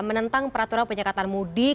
menentang peraturan penyekatan mudik